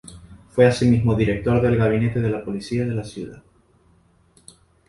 Fue asimismo director del gabinete de la policía de la ciudad.